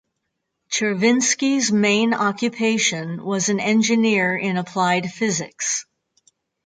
Chervinsky’s main occupation was an engineer in applied physics.